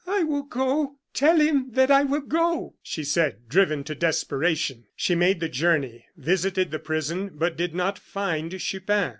"I will go tell him that I will go!" she said, driven to desperation. She made the journey, visited the prison, but did not find Chupin.